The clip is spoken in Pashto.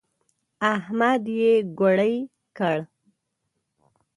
احمد يې ګوړۍ کړ.